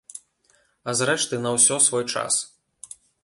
А зрэшты, на ўсё свой час.